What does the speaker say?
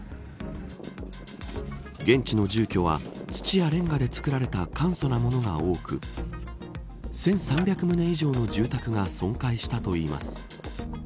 現地の住居は、土やレンガで作られた簡素なものが多く１３００棟以上の住宅が損壊したといいます。